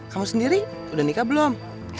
kamu sendiri udah nikah belum